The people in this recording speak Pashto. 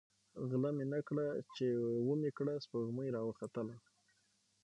ـ غله مې نه کړه ،چې ومې کړه سپوږمۍ راوخته.